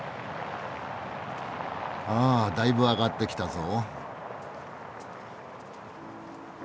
あだいぶ上がってきたぞ。